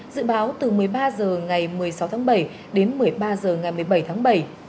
dự báo từ một mươi ba h ngày một mươi sáu tháng bảy đến một mươi ba h ngày một mươi bảy tháng bảy